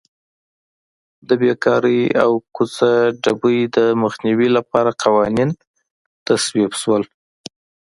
د بېکارۍ او کوڅه ډبۍ د مخنیوي لپاره قوانین تصویب شول.